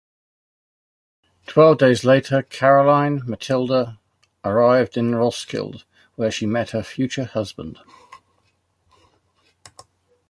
Twelve days later, Caroline Matilda arrived in Roskilde, where she met her future husband.